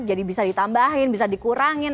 jadi bisa ditambahin bisa dikurangin